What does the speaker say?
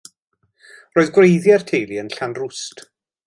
Roedd gwreiddiau'r teulu yn Llanrwst.